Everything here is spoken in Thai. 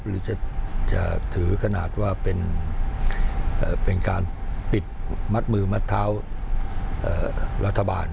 หรือจะถือขนาดว่าเป็นการปิดมัดมือมัดเท้ารัฐบาล